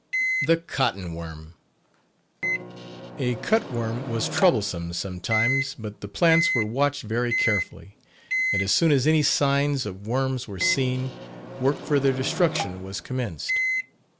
THE COTTON WORM. A cut worm was troublesome sometimes; but the plants were watched very carefully, and as soon as any signs of worms were seen work for their destruction was commenced.